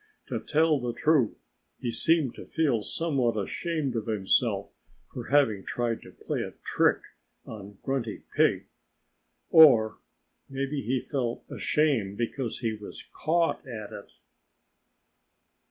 To tell the truth, he seemed to feel somewhat ashamed of himself for having tried to play a trick on Grunty Pig. Or maybe he felt ashamed because he was caught at it.